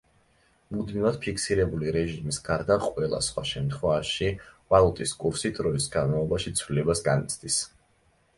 მუდმივად ფიქსირებული რეჟიმის გარდა ყველა სხვა შემთხვევაში ვალუტის კურსი დროის განმავლობაში ცვლილებას განიცდის.